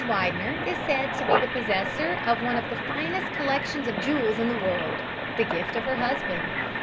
Widener is said to be the possessor of one of the finest collections of jewels in the world, the gift of her husband.